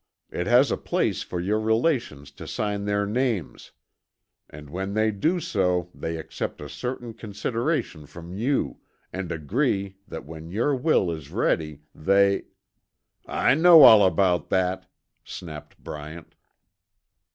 It has a place for your relations to sign their names. And when they do so they accept a certain consideration from you, and agree that when your will is read they " "I know all about that," snapped Bryant.